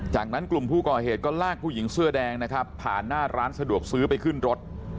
จากนั้นกลุ่มผู้ก่อเหตุก็ลากผู้หญิงเสื้อแดงนะครับผ่านหน้าร้านสะดวกซื้อไปขึ้นรถ